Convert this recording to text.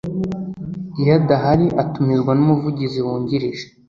iyo adahari itumizwa n umuvugizi wungirije